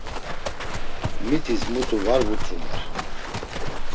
Mitis mutu var vutzumer.